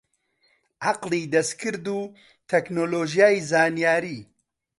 عەقڵی دەستکرد و تەکنۆلۆژیای زانیاری